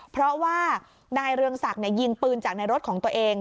เพราะว่านายเรืองศักดิ์ยิงปืนจากในรถของตัวเอง